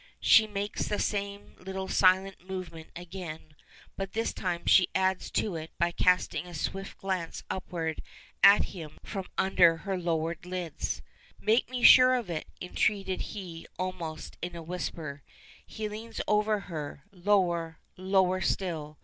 She makes the same little silent movement again, but this time she adds to it by casting a swift glance upward at him from under her lowered lids. "Make me sure of it," entreated he almost in a whisper. He leans over her, lower, lower still.